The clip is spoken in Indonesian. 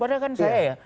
padahal kan saya ya